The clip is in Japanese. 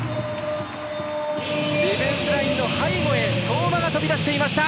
ディフェンスラインの背後に相馬が飛び出していました！